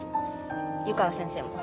湯川先生も。